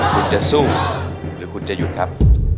คุณจะสู้หรือคุณจะหยุดครับ